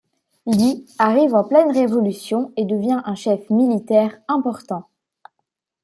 Li arrive en pleine révolution et devient un chef militaire important.